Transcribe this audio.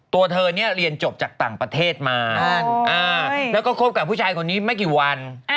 ตัวเธอเนี่ยเรียนจบจากต่างประเทศมาแล้วก็คบกับผู้ชายคนนี้ไม่กี่วัน